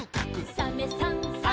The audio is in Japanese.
「サメさんサバさん」